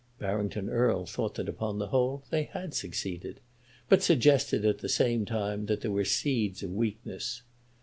Barrington Erle thought that upon the whole they had succeeded; but suggested at the same time that there were seeds of weakness.